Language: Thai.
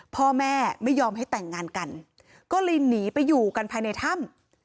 พ่อแม่ไม่ยอมให้แต่งงานกันก็เลยหนีไปอยู่กันภายในถ้ำ